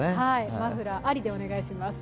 マフラーありでお願いします。